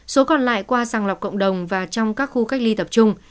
số còn lại qua sàng lọc cộng đồng và trong các khu cách ly tập trung